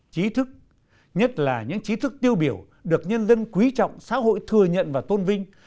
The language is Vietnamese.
chí thức nhất là những trí thức tiêu biểu được nhân dân quý trọng xã hội thừa nhận và tôn vinh